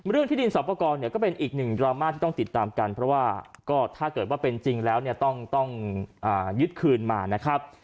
ที่ดินสอบประกอบเนี่ยก็เป็นอีกหนึ่งดราม่าที่ต้องติดตามกันเพราะว่าก็ถ้าเกิดว่าเป็นจริงแล้วเนี่ยต้องยึดคืนมานะครับ